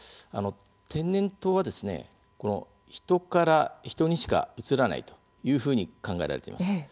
天然痘は、ヒトからヒトにしかうつらないというふうに考えられています。